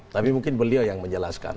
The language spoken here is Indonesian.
tapi mungkin beliau yang menjelaskan